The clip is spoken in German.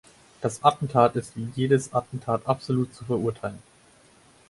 Das Attentat ist wie jedes Attentat absolut zu verurteilen.